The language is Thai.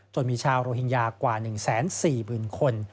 มีชาวโรฮิงญากว่า๑๔๐๐๐คน